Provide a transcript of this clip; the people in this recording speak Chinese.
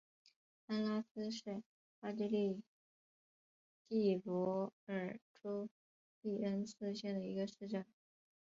安拉斯是奥地利蒂罗尔州利恩茨县的一个市镇。